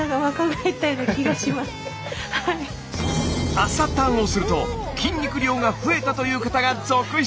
「朝たん」をすると筋肉量が増えたという方が続出！